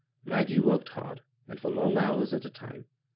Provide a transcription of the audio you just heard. Maggie worked hard, and for long houis at a time.